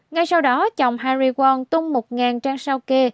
ngay sau đó chồng hari wan tung một trang sao kê